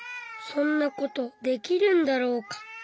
そんな事できるんだろうか？